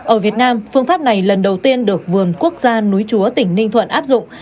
ở việt nam phương pháp này lần đầu tiên được vườn quốc gia núi chúa tỉnh ninh thuận áp dụng